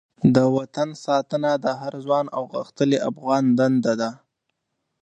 د وطن ساتنه د هر ځوان او غښتلې افغان دنده ده.